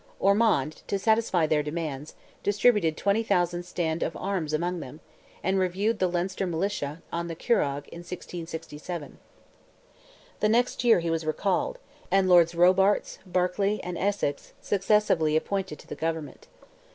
Ormond, to satisfy their demands, distributed 20,000 stand of arms among them, and reviewed the Leinster Militia, on the Curragh, in 1667. The next year he was recalled, and Lords Robarts, Berkely, and Essex, successively appointed to the government.